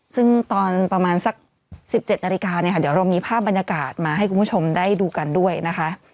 ซึ่งตอนประมาณสัก๑๗นาฬิกาเนี่ยค่ะเดี๋ยวเรามีภาพบรรยากาศมาให้คุณผู้ชมได้ดูกันด้วยนะคะ